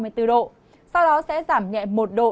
sau đó sẽ giảm nhẹ một độ